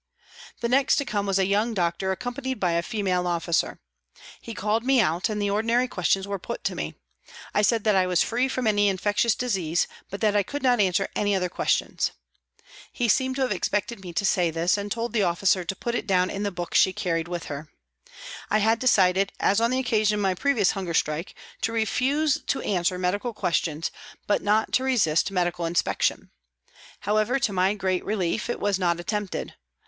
The next to come was a young doctor accom panied by a female officer. He called me out, and the ordinary questions were put to me. I said that I was free from any infectious disease, but that I could not answer any other questions. He seemed to have expected me to say this, and told the officer to put it down in the book she carried with her. WALTON GAOL, LIVERPOOL 263 I had decided, as on the occasion of my previous hunger strike, to refuse to answer medical questions, but not to resist medical inspection. However, to my great relief, it was not attempted.